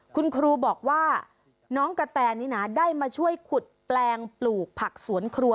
คุณครูบอกว่าน้องกะแตนี่นะได้มาช่วยขุดแปลงปลูกผักสวนครัว